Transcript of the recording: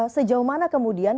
sejauh mana kemudian